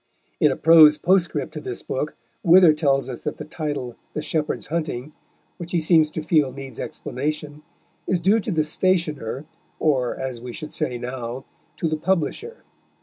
In a prose postscript to this book Wither tells us that the title, The Shepherd's Hunting, which he seems to feel needs explanation, is due to the stationer, or, as we should say now, to the publisher.